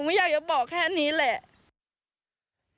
ไม่อยากจะบอกแค่นี้แหละ